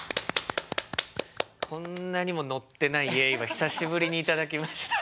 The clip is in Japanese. こんなにも乗ってない「イエイ」は久しぶりに頂きました。